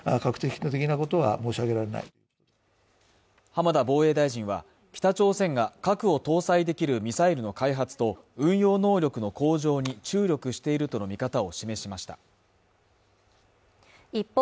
浜田防衛大臣は北朝鮮が核を搭載できるミサイルの開発と運用能力の向上に注力しているとの見方を示しました一方